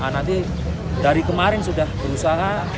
nanti dari kemarin sudah berusaha